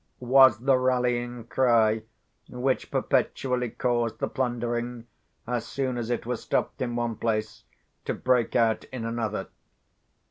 was the rallying cry which perpetually caused the plundering, as soon as it was stopped in one place, to break out in another.